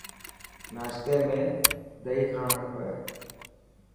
ناشتي ۾ دئي کائڻ کپي.